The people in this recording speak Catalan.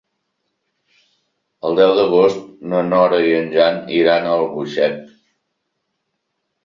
El deu d'agost na Nora i en Jan iran a Albuixec.